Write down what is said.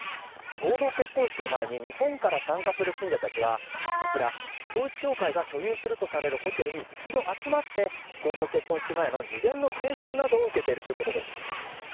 合同結婚式を前に、日本から参加する信者たちは、あちら、統一教会が所有するとされるホテルに一度集まって、合同結婚式前の事前の研修などを受けているということです。